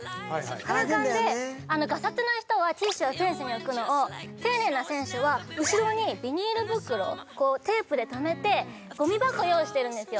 鼻かんでがさつな人はティッシュをフェンスに置くのを丁寧な選手は後ろにビニール袋テープでとめてゴミ箱用意してるんですよ